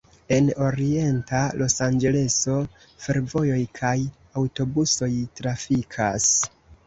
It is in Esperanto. En Orienta Losanĝeleso fervojoj kaj aŭtobusoj trafikas.